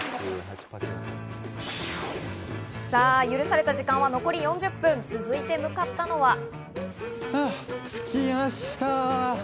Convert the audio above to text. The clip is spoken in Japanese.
許された時間は残り４０分、続いて向かったのは。